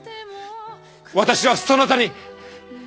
私はそなたに！